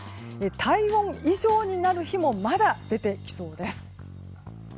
体温以上になる日もまだ出てきそうです。